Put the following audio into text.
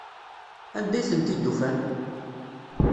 Anda ay tent-id-ufan?